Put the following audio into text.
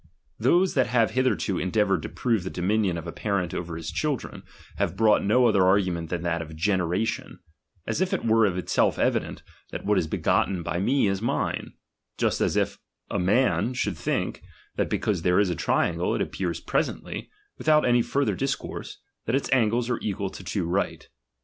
Those that have Ixitherto endeavoured to prove the dominion of a X*arent over his children, have brought no other ^■ rgument than that of gejieration ; as if it were of ■»^tself evident, that what is begotten by me is mine ; JTist as if a man should think, that because there is a triangle, it appears presently, without any fur t her discourse, that its angles are equal to two right.